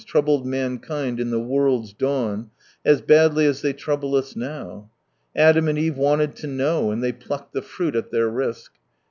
troubled mankind in the world's dawn as badly as they trouble us now. Adam and Eve wanted " to know," and thiey plucked the fruit at their risk.